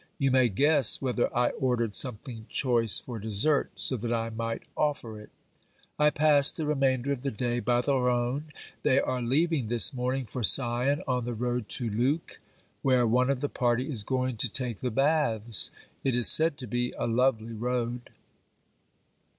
You may guess whether I ordered some thing choice for dessert, so that I might offer it. I passed the remainder of the day by the Rhone. They are leaving this morning for Sion on the road to Leuck, where one of the party is going to take the baths. It is said to be a lovely road.